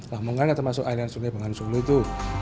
lamungan termasuk air dan sungai bangan solo itu